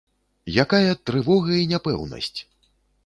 Якая трывога і няпэўнасць!